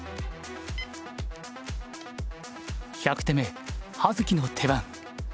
１００手目葉月の手番。